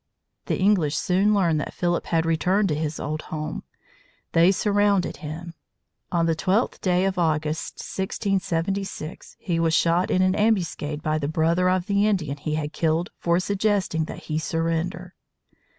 The English soon learned that Philip had returned to his old home. They surrounded him. On the twelfth day of August, 1676, he was shot in an ambuscade by the brother of the Indian he had killed for suggesting that he surrender.